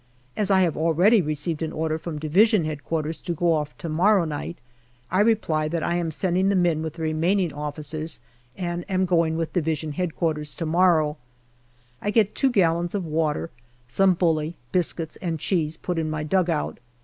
As I have already received an order from D.H.Q. to go off to morrow night, I reply that I am sending the men with the remaining officers and am going with D.H.Q. to morrow. I get two gallons of water, some bully, bis cuits, and cheese put in my dugout.